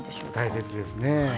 大切ですね。